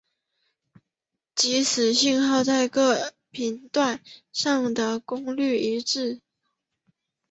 即此信号在各个频段上的功率一致。